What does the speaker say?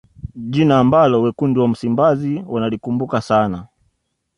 jina ambalo wekundu wa msimbazi wanalikumbuka sana